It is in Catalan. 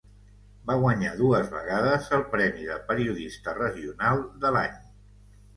Va guanyar dues vegades el premi de periodista regional de l'any.